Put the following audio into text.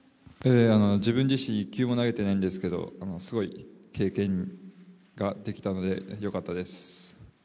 自分自身一球も投げてないんですけどすごい経験ができたので、よかったです。